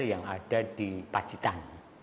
yang ada di pacitan